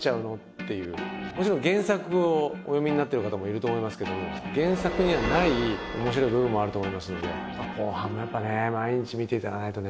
もちろん原作をお読みになってる方もいると思いますけど原作にはない面白い部分もあると思いますので後半もやっぱね毎日見て頂かないとね。